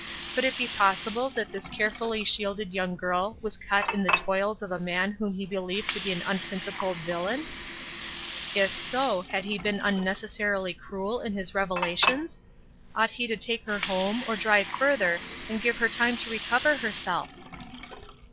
Could it be possible that this carefully shielded young girl was caught in the toils of a man whom he believed to be an unprincipled villain? If so, had he been unnecessarily cruel in his revelations? Ought he to take her home, or drive further, and give her time to recover herself?